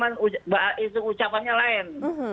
sama itu ucapannya lain